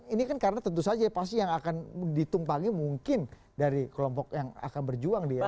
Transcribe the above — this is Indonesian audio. ini kan karena tentu saja pasti yang akan ditumpangi mungkin dari kelompok yang akan berjuang di eropa